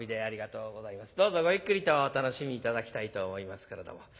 どうぞごゆっくりとお楽しみ頂きたいと思いますけれども。